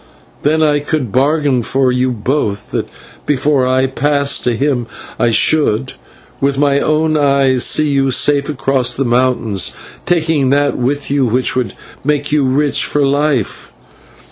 Then I could bargain for you both that before I pass to him I should, with my own eyes, see you safe across the mountains, taking that with you which would make you rich for life.